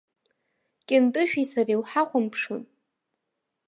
Кьынтышәи сареи уҳахәамԥшын.